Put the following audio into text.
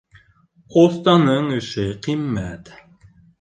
Оҫтаның эше ҡиммәт.